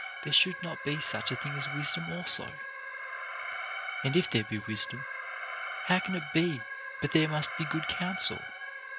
there should not be such a thing as wisdom also 1 And if there be wisdom, how can it be but there must be good counsel?